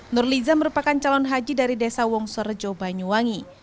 nurliza merupakan calon haji dari desa wongsorejo banyuwangi